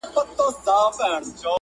چې د اميد اب حيات مې په جهان ویشلو